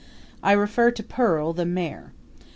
I refer to Pearl, the mare.